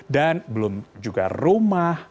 dan belum juga rumah